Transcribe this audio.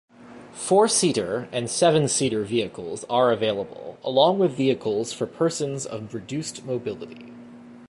Four-seater and seven-seater vehicles are available, along with vehicles for persons of reduced mobility.